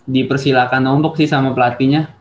dipersilakan numpuk sih sama pelatihnya